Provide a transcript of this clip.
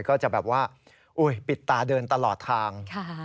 ก็จะแบบว่าปิดตาเดินตลอดทาง